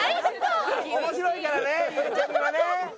面白いからねゆうちゃみはね。